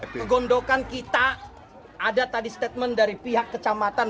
kegondokan kita ada tadi statement dari pihak kecamatan